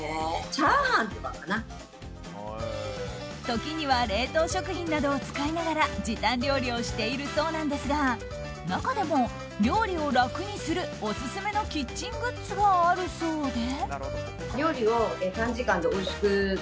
時には冷凍食品などを使いながら時短料理をしているそうなんですが中でも料理を楽にするオススメのキッチングッズがあるそうで。